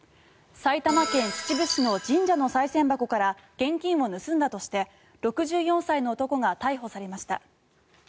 埼玉県秩父市の神社のさい銭箱から現金を盗んだとして６４歳の男が逮捕されました。